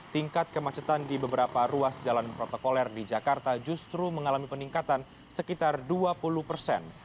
tingkat kemacetan di beberapa ruas jalan protokoler di jakarta justru mengalami peningkatan sekitar dua puluh persen